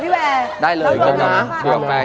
ธุรกิจด่วยร้อนฟ้าอย่างนั้นงานช่างเยอะนะครับทุกคน